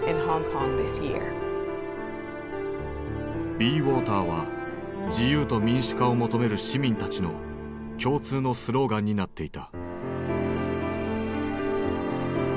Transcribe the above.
「ＢｅＷａｔｅｒ」は自由と民主化を求める市民たちの共通のスローガンになっていた。